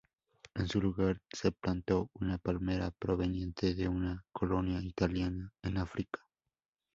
En su lugar se plantó una palmera proveniente de una colonia italiana en África.